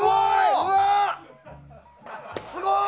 すごい！